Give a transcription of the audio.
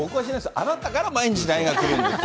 あなたから毎日ＬＩＮＥが来るんですよ。